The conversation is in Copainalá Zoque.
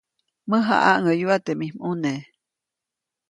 Mäjaʼaŋʼäyuʼa teʼ mij ʼmuneʼ.